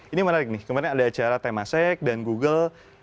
ini menarik nih kemarin ada acara temasek dan google